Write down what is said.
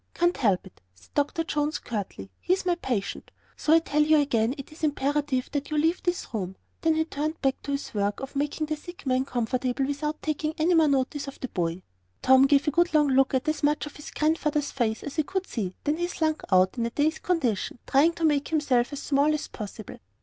"Can't help it," said Dr. Jones, curtly; "he's my patient. So I tell you again it is imperative that you leave this room." Then he turned back to his work of making the sick man comfortable without taking any more notice of the boy. Tom gave a good long look at as much of his Grandfather's face as he could see, then slunk out, in a dazed condition, trying to make himself as small as possible.